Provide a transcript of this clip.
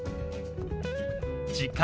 「時間」。